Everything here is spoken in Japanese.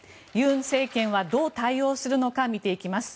尹政権はどう対応するのか見ていきます。